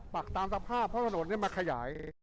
ปักตามสภาพเพราะถนนนี้มาขยาย